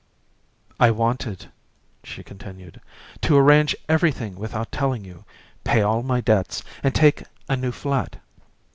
"I wanted," she continued, "to arrange everything without telling you, pay all my debts, and take a new flat.